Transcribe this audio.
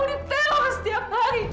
lebih baik mama mati